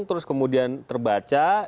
terus kemudian terbaca